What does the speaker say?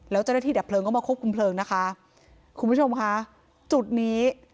แล้วเจ้าหน้าที่ดับเพลิงก็มาควบคุมเพลิงนะคะคุณผู้ชมค่ะจุดนี้